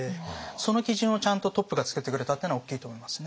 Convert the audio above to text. その基準をちゃんとトップが作ってくれたっていうのは大きいと思いますね。